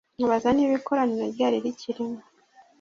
abaza niba ikoraniro ryari rikirimo